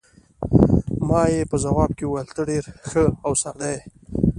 ما یې په ځواب کې وویل: ته ډېره ښه او ساده یې.